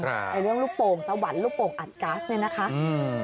ไอ้เรื่องลูกโป่งสวรรค์ลูกโป่งอัดก๊าซเนี่ยนะคะอืม